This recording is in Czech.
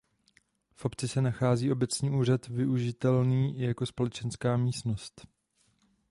V obci se nachází obecní úřad využitelný i jako společenská místnost.